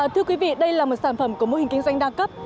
thưa quý vị đây là một sản phẩm của mô hình kinh doanh đa cấp